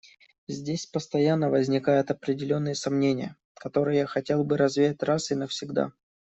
Здесь постоянно возникают определенные сомнения, которые я хотел бы развеять раз и навсегда.